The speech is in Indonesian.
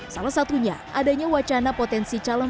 salah satunya adanya wacana potensi calon